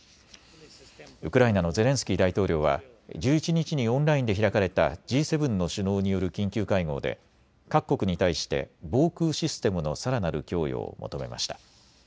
ウクライナのゼレンスキー大統領は１１日にオンラインで開かれたＧ７の首脳による緊急会合で各国に対して防空システムのさらなる供与を求めました。